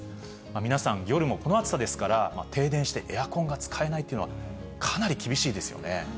皆さん、夜もこの暑さですから、停電してエアコンが使えないというのはかなり厳しいですよね。